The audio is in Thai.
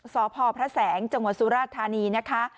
สพพระแสงจังหวัดสุราธานีนะคะ